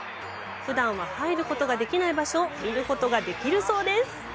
普段は入ることができない場所を見ることができるそうです。